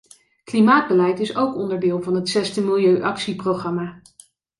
Klimaatbeleid is ook onderdeel van het zesde milieuactieprogramma.